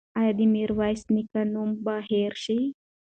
ایا د میرویس نیکه نوم به هېر شي؟